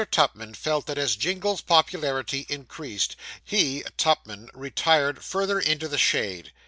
Tupman felt that as Jingle's popularity increased, he (Tupman) retired further into the shade.